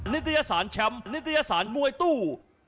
นิตยสารแชมป์นิตยสารมวยตู้